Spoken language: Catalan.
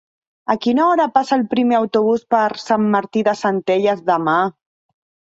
A quina hora passa el primer autobús per Sant Martí de Centelles demà?